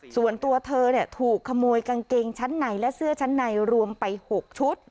ส่วนตัวเธอถูกขโมยกางเกงชั้นในและเสื้อชั้นในรวมไป๖ชุด